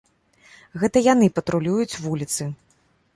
Гэта яны патрулююць вуліцы.